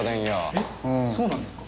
えっそうなんですか？